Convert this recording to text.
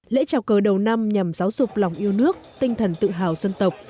lễ trào cờ đầu năm nhằm giáo dục lòng yêu nước tinh thần tự hào dân tộc